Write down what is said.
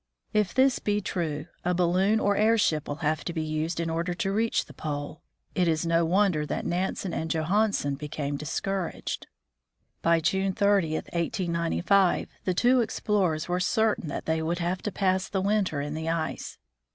If this be true, a balloon or airship will have to be used in order to reach the pole. It is no wonder that Nansen and Johansen became discouraged. By June 30, 1895, the two explorers were certain that they would have to pass the winter in the ice.